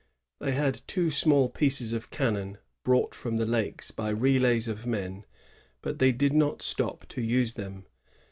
They had two small pieces of cannon brought from the lake by relays of men, but they did not stop to use them.